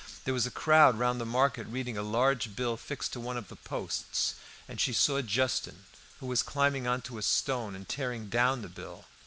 There was a crowd round the market reading a large bill fixed to one of the posts, and she saw Justin, who was climbing on to a stone and tearing down the bill.